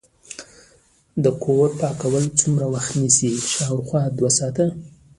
د کور پاکول څومره وخت نیسي؟ شاوخوا دوه ساعته